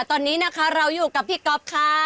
ตอนนี้นะคะเราอยู่กับพี่ก๊อฟค่ะ